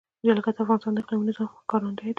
جلګه د افغانستان د اقلیمي نظام ښکارندوی ده.